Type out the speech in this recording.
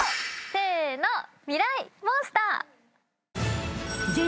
せーのミライ☆モンスター。